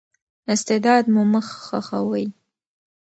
استعداد مو مه خښوئ.